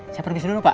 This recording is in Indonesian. saya pergi dulu pak